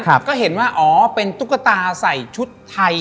ก็เห็นว่าอ๋อเป็นตุ๊กตาใส่ชุดไทย